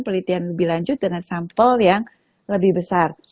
penelitian lebih lanjut dengan sampel yang lebih besar